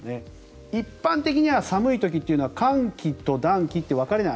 一般的には寒い時というのは寒気と暖気と分かれない。